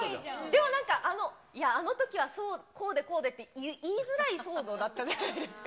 でもなんか、あのときはこうでこうでって言いづらい騒動だったじゃないですか。